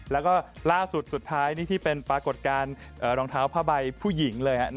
แล้วก็ล่าสุดสุดท้ายนี่ที่เป็นปรากฏการณ์รองเท้าผ้าใบผู้หญิงเลย